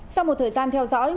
sau một thời gian theo dõi